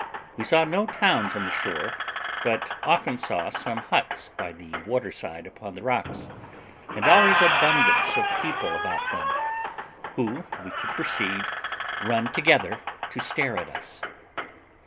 We saw no towns on the shore, but often saw some huts by the water side upon the rocks, and always abundance of people about them, who we could perceive run together to stare at us.